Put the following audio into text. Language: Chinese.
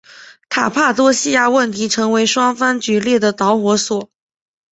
卡帕多细亚问题成为双方决裂的导火索。